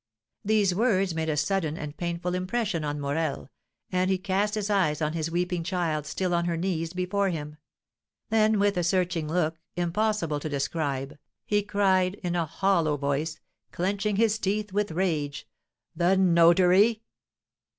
These words made a sudden and painful impression on Morel, and he cast his eyes on his weeping child still on her knees before him; then, with a searching look, impossible to describe, he cried in a hollow voice, clenching his teeth with rage: "The notary?"